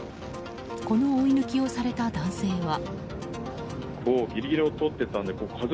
この追い抜きをされた男性は。